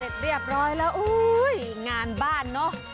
เรียบร้อยแล้วอุ้ยงานบ้านเนอะ